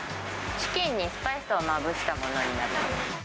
チキンにスパイスをまぶしたものになります。